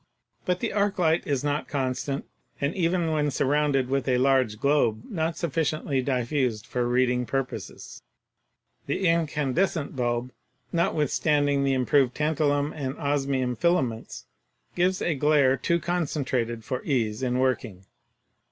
But the arc light is not constant, and even when surrounded with a large globe not sufficiently diffused for reading purposes; the incandescent bulb, notwithstanding the improved tantalum and osmium filaments gives a glare too concentrated for ease in working.